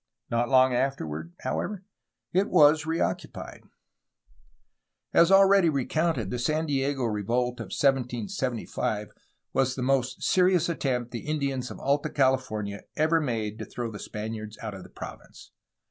Not long afterward, however, it was reoccupied. As already recounted the San Diego revolt of 1775 was the most serious attempt the Indians of Alta California ever 370 A HISTORY OF CALIFORNIA made to throw the Spaniards out of the province.